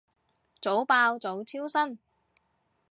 早爆早超生